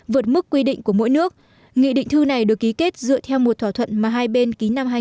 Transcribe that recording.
vượt mức quy định của mỗi nước nghị định thư này được ký kết dựa theo một thỏa thuận mà hai bên ký năm hai nghìn